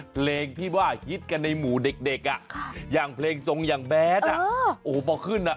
เพลงที่ว่าฮิตกันในหมู่เด็กอ่ะอย่างเพลงทรงอย่างแบทโอ้โหพอขึ้นอ่ะ